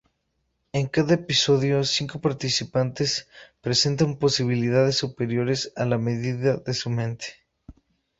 En cada episodio, cinco participantes presentan posibilidades superiores a la media de su mente.